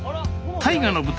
大河の舞台